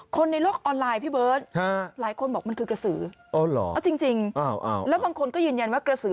คนในโลกออนไลน์พี่เบิร์ตหลายคนบอกว่ามันคือกระสือ